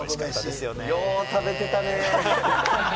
よう食べてたね。